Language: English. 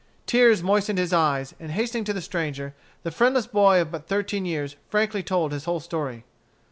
Tears moistened his eyes, and hastening to the stranger, the friendless boy of but thirteen years frankly told his whole story.